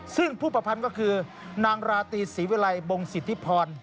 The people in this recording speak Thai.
ซึ่งผู้ประพันธ์ก็คือนางราตรีศรีวิลัยบงสิทธิพร